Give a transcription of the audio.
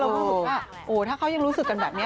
เราก็คิดว่าถ้าเขายังรู้สึกกันแบบนี้